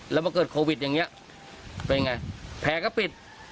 แล้วมาเกิดโควิดอย่างเนี้ยไปไหนแพงก็ปิด